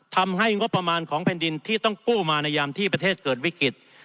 ทำให้งบประมาณของแผ่นดินที่ต้องกู้มาในยามที่ประเทศเกิดวิกฤต